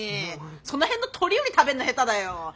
その辺の鳥より食べんの下手だよ。